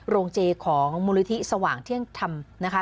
โรงเจของมูลนิธิสว่างเที่ยงธรรมนะคะ